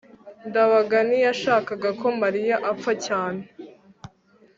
ndabaga ntiyashakaga ko mariya apfa cyane